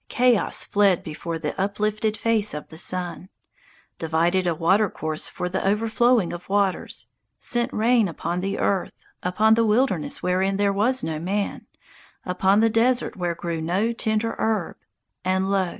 chaos fled Before the uplifted face of the sun; Divided a water course for the overflowing of waters; Sent rain upon the earth Upon the wilderness wherein there was no man, Upon the desert where grew no tender herb, And, lo!